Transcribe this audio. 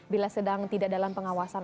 bila sedang tidak dalam pengawasan